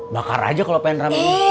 bakar aja kalau pengen rame